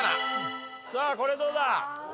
さあこれどうだ？